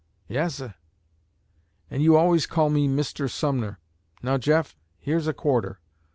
"Yas, sah." "And you always call me 'Mister Sumner.' Now, Jeff, here's a quarter.